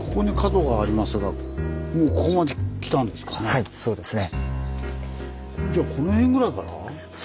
はいそうですね。